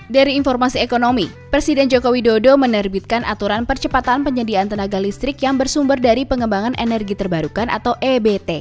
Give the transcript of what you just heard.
dari informasi ekonomi presiden joko widodo menerbitkan aturan percepatan penyediaan tenaga listrik yang bersumber dari pengembangan energi terbarukan atau ebt